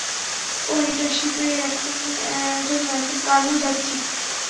ওর ইন্টার্নশিপের জন্য এখন কার্ণুল যাচ্ছি।